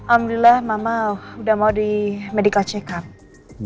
alhamdulillah mama udah mau di medical check up